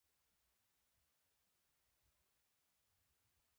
شیدې د ماشوم د بدن درمل دي